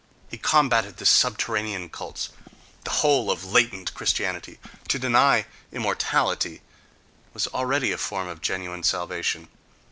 —He combatted the subterranean cults, the whole of latent Christianity—to deny immortality was already a form of genuine salvation.